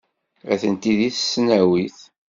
Atenti deg tesnawit.